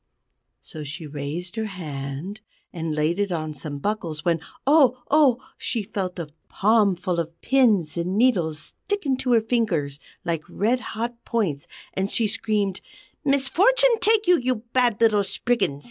So she raised her hand and laid it on some buckles, when oh! oh! she felt a palmful of pins and needles stick into her fingers like red hot points; and she screamed: "Misfortune take you, you bad little Spriggans!"